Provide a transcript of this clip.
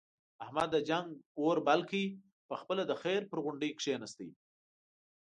احمد د جنگ اور بل کړ، په خپله د خیر په غونډۍ کېناست.